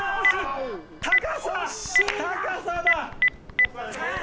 ・高さだ！